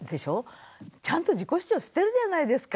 ちゃんと自己主張してるじゃないですか。